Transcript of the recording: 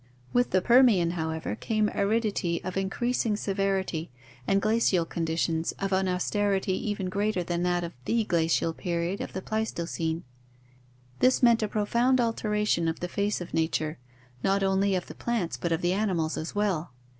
With the Per mian, however, came aridity of increasing severity, and glacial conditions of an austerity even greater than that of the glacial period of the Pleistocene. This meant a profound alteration of the face of nature, not only of the plants but of the animals as well.